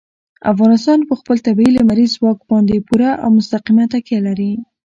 افغانستان په خپل طبیعي لمریز ځواک باندې پوره او مستقیمه تکیه لري.